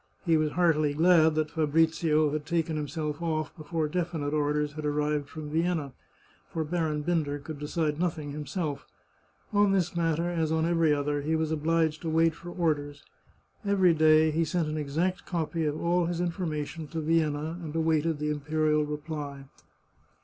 He was heartily glad that Fabrizio had taken himself off before definite orders had arrived from Vienna, for Baron Binder could decide nothing himself; on this matter, as on every other, he was obliged to wait for orders. Every day he sent an exact copy of all his information to Vienna, and awaited the imperial reply.